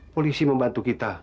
polisi membantu kita